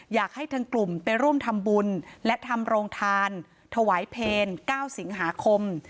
อยากให้ทางกลุ่มไปร่วมทำบุญและทำโรงทานถวายเพลง๙สิงหาคม